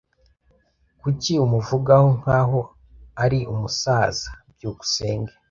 Kuki umuvugaho nkaho ari umusaza? byukusenge